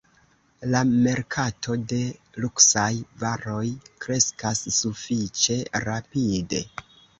La merkato de luksaj varoj kreskas sufiĉe rapide.